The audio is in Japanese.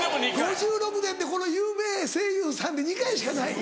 ５６年でこの有名声優さんで２回しかない。